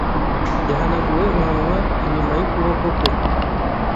yahanaguye umunwa inyuma yukuboko kwe.